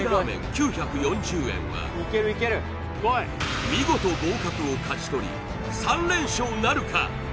９４０円は見事合格を勝ち取り３連勝なるか？